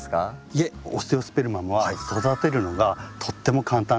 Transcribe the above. いえオステオスペルマムは育てるのがとっても簡単なんです。